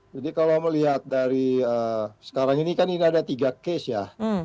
jadi kalau melihat dari sekarang ini kan ini ada tiga kes ya